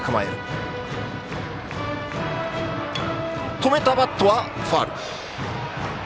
止めたバットはファウル。